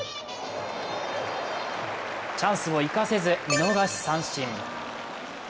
チャンスを生かせず、見逃し三振。